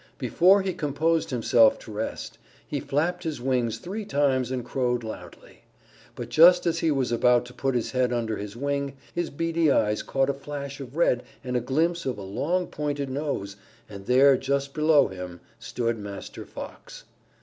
Before he composed himself to rest, he flapped his wings three times and crowed loudly. But just as he was about to put his head under his wing, his beady eyes caught a flash of red and a glimpse of a long pointed nose, and there just below him stood Master Fox.